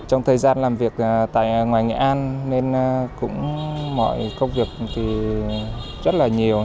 trong thời gian làm việc tại ngoài nghệ an mọi công việc rất là nhiều